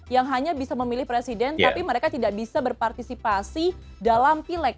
yang hanya bisa memilih presiden tapi mereka tidak bisa berpartisipasi dalam pileg